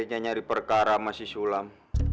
nyanyari perkara sama si sulam